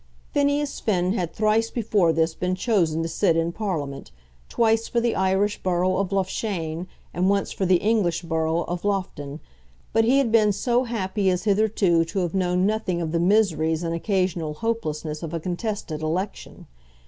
Phineas Finn had thrice before this been chosen to sit in Parliament twice for the Irish borough of Loughshane, and once for the English borough of Loughton; but he had been so happy as hitherto to have known nothing of the miseries and occasional hopelessness of a contested election.